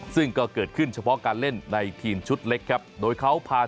ซึ่งก็เขิดขึ้นเฉพาะการเล่นในชุดเล็กนโดยเขาพาทีมฟ้าขาวนะครับ